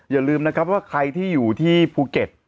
อย่าลืมนะครับว่าใครที่อยู่ที่ภูเก็ต